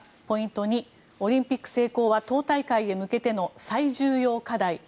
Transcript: ポイント２、オリンピック成功は党大会へ向けての最重要課題。